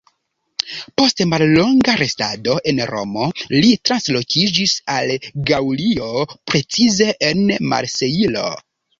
Post mallonga restado en Romo, li translokiĝis al Gaŭlio, precize en Marsejlo.